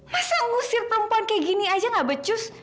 masa ngusir perempuan kayak gini aja gak becus